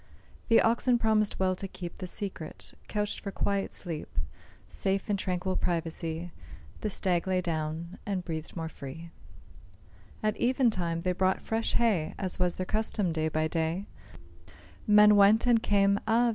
The oxen promised well to keep The secret: couched for quiet sleep, Safe in a tranquil privacy, The Stag lay down, and breathed more free. [Illustration: THE EYE OF THE MASTER.] At even time they brought fresh hay, As was their custom day by day; Men went and came, ah!